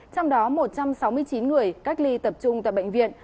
trong đó một trăm sáu mươi chín người cách ly tập trung tại bệnh viện